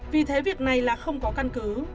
vì thế việc này là không có căn cứ